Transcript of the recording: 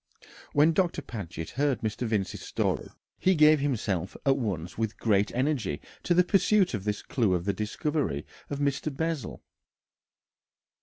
When Doctor Paget heard Mr. Vincey's story, he gave himself at once with great energy to the pursuit of this clue to the discovery of Mr. Bessel.